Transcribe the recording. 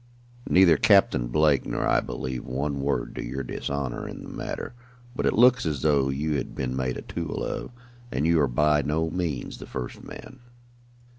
"Neither Captain Blake nor I believe one word to your dishonor in the matter, but it looks as though you had been made a tool of, and you are by no means the first man.